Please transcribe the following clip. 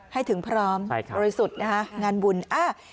ให้ถึงพร้อมไปครับโดยสุดนะฮะงานบุญอ่า